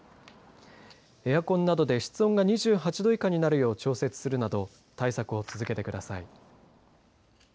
エアコンなどで室温が２８度以下になるよう調整するなど対策を続けてください。